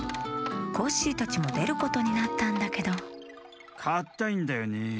コッシーたちもでることになったんだけどかったいんだよね。